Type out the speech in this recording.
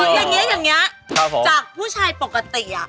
อย่างนี้จากผู้ชายปกติ